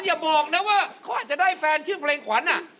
อย่าบอกนะว่าเขาอาจจะได้แฟนชื่อเพลงขวัญ